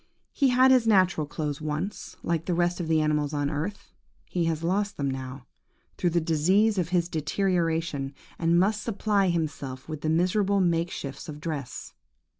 He had his natural clothes once, like the rest of the animals of the earth; he has lost them now, through the disease of his deterioration, and must supply himself with the miserable make shifts of dress.